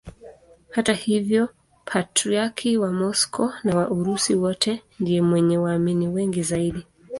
Hata hivyo Patriarki wa Moscow na wa Urusi wote ndiye mwenye waamini wengi zaidi.